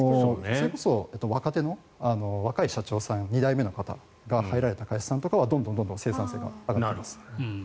それこそ若手の若い社長さん２代目の方が入られた会社さんとかはどんどん生産性が上がっています。